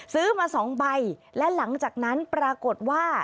ซื้อมาสองใบและหลังจากนั้นปรากฏว่า